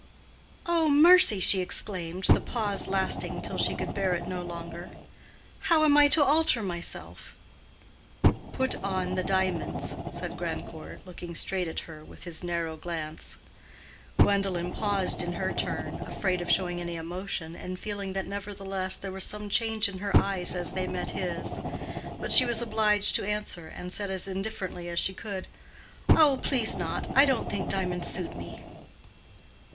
"Oh, mercy!" she exclaimed, the pause lasting till she could bear it no longer. "How am I to alter myself?" "Put on the diamonds," said Grandcourt, looking straight at her with his narrow glance. Gwendolen paused in her turn, afraid of showing any emotion, and feeling that nevertheless there was some change in her eyes as they met his. But she was obliged to answer, and said as indifferently as she could, "Oh, please not. I don't think diamonds suit me."